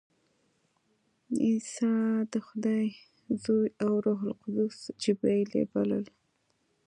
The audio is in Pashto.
عیسی د خدای زوی او روح القدس جبراییل یې بلل.